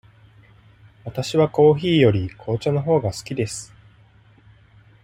わたしはコーヒーより紅茶のほうが好きです。